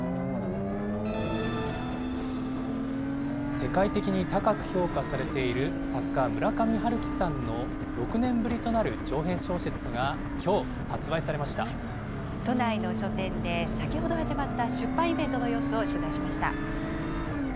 世界的に高く評価されている作家、村上春樹さんの６年ぶりとなる長編小説がきょう、都内の書店で、先ほど始まった出版イベントの様子を取材しました。